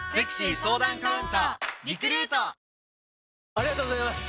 ありがとうございます！